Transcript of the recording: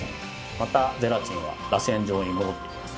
またゼラチンはらせん状に戻ってきます。